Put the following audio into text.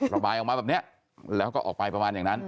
ระบายออกมาแบบนี้แล้วก็ออกไปประมาณอย่างนั้น